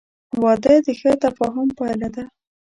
• واده د ښه تفاهم پایله ده.